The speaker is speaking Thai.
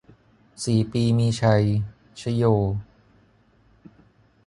สี่ปีมีชัย ชโย